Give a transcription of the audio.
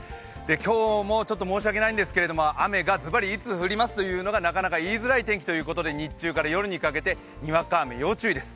今日も申し訳ないんですけども、雨がズバリいつ降りますということがなかなか言いづらい天気ということで日中から夜にかけてにわか雨、要注意です。